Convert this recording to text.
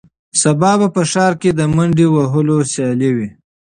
سبا به په ښار کې د منډې وهلو سیالي وي.